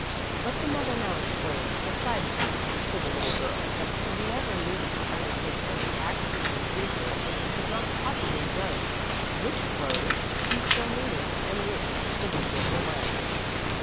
But the mother now explained decidedly to the little girl that she never needed to undertake such actions in the future as she could not possibly judge which clothes she still needed and which could be given away.